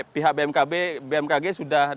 pihak bmkg sudah datang